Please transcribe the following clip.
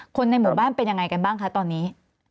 คนในหมู่บ้านเป็นยังไงกันบ้างคะตอนนี้